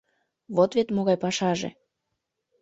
Вот вет могай пашаже.